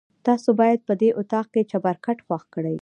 تاسو باید په دې اطاق کې چپرکټ خوښ کړئ.